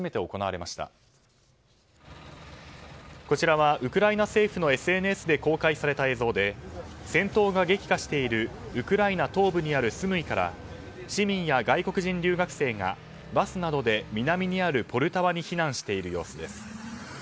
こちらはウクライナ政府のＳＮＳで公開された映像で戦闘が激化しているウクライナ東部のスムイから市民や外国人留学生がバスなどで南にあるポルタワに避難している様子です。